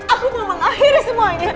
aku mau mengakhiri semuanya